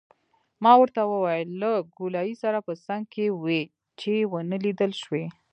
ما ورته وویل: له ګولایي سره په څنګ کې وې، چې ونه لیدل شوې.